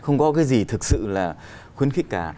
không có cái gì thực sự là khuyến khích cả